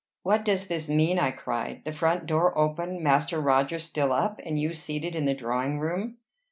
"What does this mean?" I cried. "The front door open! Master Roger still up! and you seated in the drawing room!"